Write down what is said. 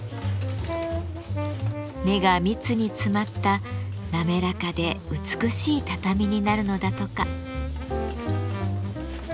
目が密に詰まった滑らかで美しい畳になるのだとか。